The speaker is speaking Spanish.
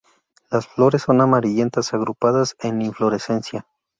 Las flores son amarillentas, agrupadas en inflorescencia.